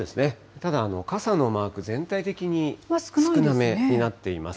ただ、傘のマーク、全体的に少なめになっています。